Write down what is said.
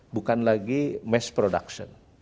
bukan lagi mass production